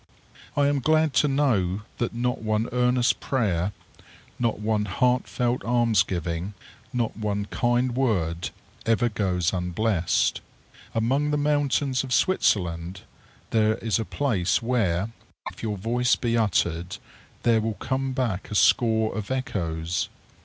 I am glad to know that not one earnest prayer, not one heartfelt alms giving, not one kind word, ever goes unblessed. Among the mountains of Switzerland there is a place where, if your voice be uttered, there will come back a score of echoes.